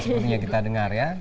sepertinya kita dengar ya